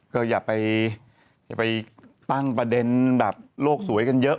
ก็อย่าไปตั้งประเด็นแบบโลกสวยกันเยอะ